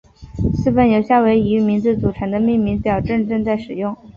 四份由夏威夷语名字组成的命名表正在使用。